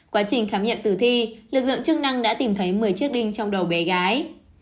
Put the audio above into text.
quá trình khám nghiệm tử thi lực lượng chức năng đã tìm thấy một mươi chiếc đinh trong đầu bé gái